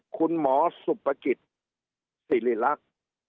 คุณหมอสุปกิจสิริรักษ์